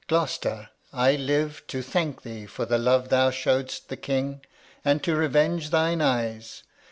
Alb. Gloucester, I live To thank thee for the love thou show'dst the King, And to revenge thine eyes.